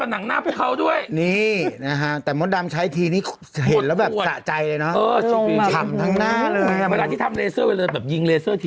ก็หยิบขึ้นมาโป๊ะหนูไม่เห็นเขาแม่มีมูลเม้นต์แบบอย่างงั้นเลย